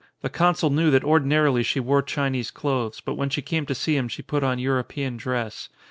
The consul knew that ordinarily she wore Chinese clothes, but when she came to see him she put on European dress.